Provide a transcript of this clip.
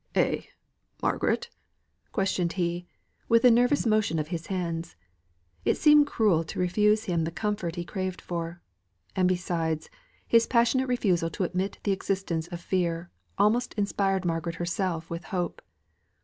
"Eh! Margaret?" questioned he, with a nervous motion of his hands. It seemed cruel to refuse him the comfort he craved for. And besides, his passionate refusal to admit the existence of fear, almost inspired Margaret herself with hope.